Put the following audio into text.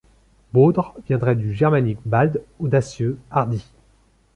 Baudre viendrait du germanique bald, audacieux, hardi.